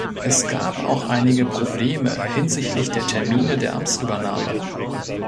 Es gab auch einige Probleme hinsichtlich der Termine der Amtsübernahme.